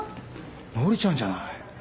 乃里ちゃんじゃない！